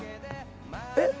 えっ？